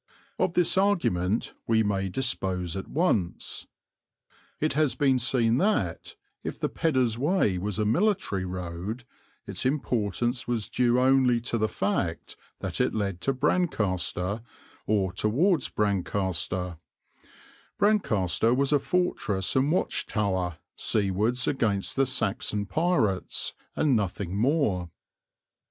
Of this argument we may dispose at once. It has been seen that, if the Peddar's Way was a military road, its importance was due only to the fact that it led to Brancaster, or towards Brancaster; Brancaster was a fortress and watch tower, seawards against the Saxon pirates, and nothing more.